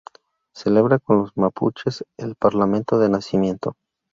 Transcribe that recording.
Celebra con los mapuches el ""Parlamento de Nacimiento"".